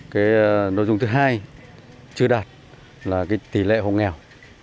cái nội dung thứ hai chưa đạt là cái tỷ lệ hộ nghèo